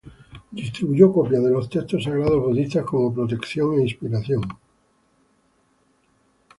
Distribuyó copias de los textos sagrados budistas como protección e inspiración.